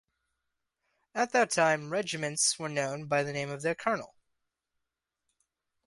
At that time, regiments were known by the name of their colonel.